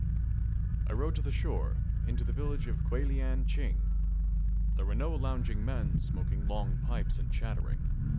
I rode to the shore, into the village of Kuelian Ching. There were no lounging men smoking long pipes and chattering.